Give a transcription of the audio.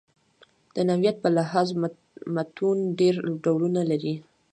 د نوعیت په لحاظ متون ډېر ډولونه لري.